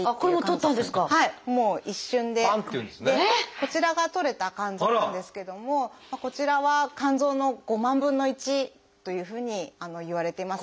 こちらが採れた肝臓なんですけどもこちらは肝臓の５万分の１というふうにいわれています。